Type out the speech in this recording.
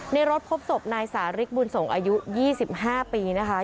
ในรถพบศพนายสาริกบุญสงฆ์อายุ๒๕ปีนะคะ